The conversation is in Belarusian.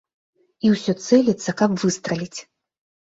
І ўсё цэліцца, каб выстраліць.